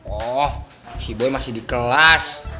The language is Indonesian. oh si boy masih di kelas